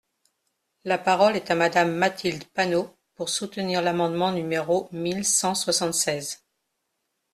La parole est à Madame Mathilde Panot, pour soutenir l’amendement numéro mille cent soixante-seize.